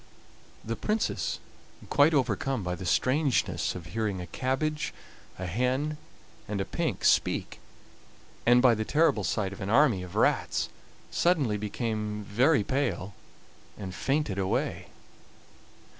The Princess, quite overcome by the strangeness of hearing a cabbage, a hen, and a pink speak, and by the terrible sight of an army of rats, suddenly became very pale, and fainted away.